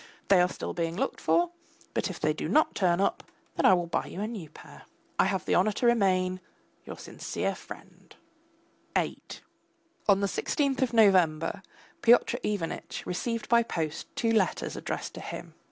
They are still being looked for; but if they do not turn up, then I will buy you a new pair. I have the honour to remain your sincere friend, VIII On the sixteenth of November, Pyotr Ivanitch received by post two letters addressed to him.